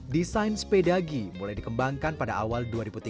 desain sepedagi mulai dikembangkan pada awal dua ribu tiga belas